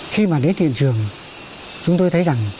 khi mà đến hiện trường chúng tôi thấy rằng